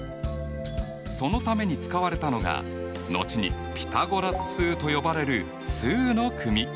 そのために使われたのが後にピタゴラス数と呼ばれる数の組。